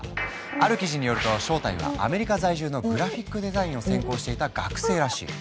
ある記事によると正体はアメリカ在住のグラフィックデザインを専攻していた学生らしい。